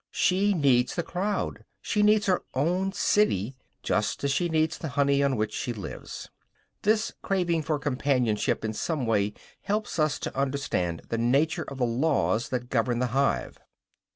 She needs the crowd, she needs her own city, just as she needs the honey on which she lives. This craving for companionship in some way helps us to understand the nature of the laws that govern the hive.